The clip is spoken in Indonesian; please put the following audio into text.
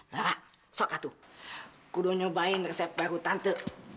nah sok aku udah nyobain resep baru tante